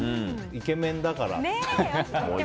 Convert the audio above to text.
イケメンだから。